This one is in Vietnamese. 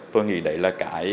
tôi nghĩ đấy là cái